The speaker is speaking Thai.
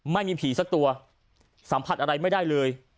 ไม่มีผีสักตัวสัมผัสอะไรไม่ได้เลย